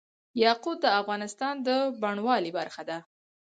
یاقوت د افغانستان د بڼوالۍ برخه ده.